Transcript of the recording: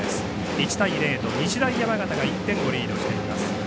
１対０と日大山形が１点をリードしています。